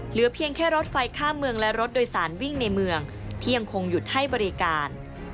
เหลือเพียงแค่รถไฟข้ามเมืองและรถโดยสารวิ่งในเมืองที่ยังคงหยุดให้บริการ